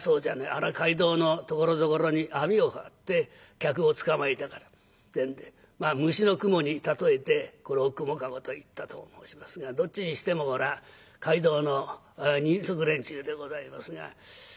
あら街道のところどころに網を張って客をつかまえたからってんで虫の蜘蛛に例えてこれを蜘蛛駕籠といったと申しますがどっちにしてもこれは街道の人足連中でございますが。